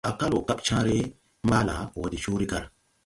A kal wo kap caaré - maala wo de coore - gaara.